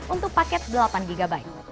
untuk paket delapan gigabyte